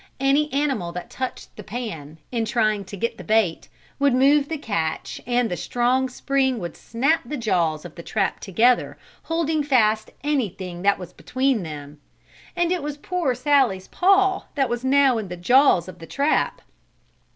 Any animal that touched the pan, in trying to get the bait, would move the catch and the strong spring would snap the jaws of the trap together, holding fast anything that was between them. And it was poor Sallie's paw that was now in the jaws of the trap.